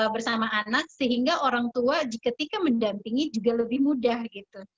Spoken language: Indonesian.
bersama anak sehingga orang tua ketika mendampingi juga lebih mudah gitu